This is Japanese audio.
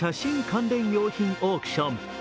関連用品オークション。